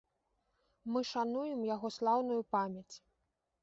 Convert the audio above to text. Мы шануем яго слаўную памяць.